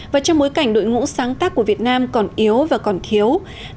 và trong bối cảnh đội ngũ sáng tác của việt nam còn yếu và còn thiếu